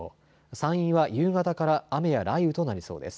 山陰は夕方から雨や雷雨となりそうです。